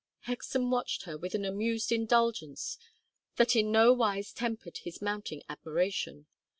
Hexam watched her with an amused indulgence that in no wise tempered his mounting admiration.